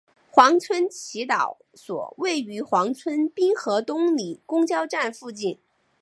黄村祈祷所位于黄村滨河东里公交站附近。